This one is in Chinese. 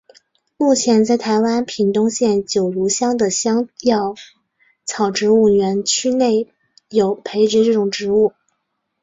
目前在台湾屏东县九如乡的香药草植物园区内有培植这种植物。